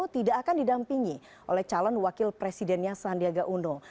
tidak akan didampingi oleh calon wakil presidennya sandiaga uno